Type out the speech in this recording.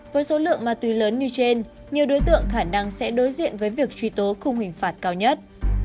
với số lượng ma túy lớn như trên nhiều đối tượng khả năng sẽ đối diện với việc truy tố khung hình phạt cao nhất